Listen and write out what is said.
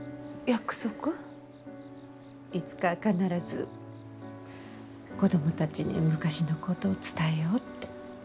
いつか必ず子供たちに昔のこと伝えようって。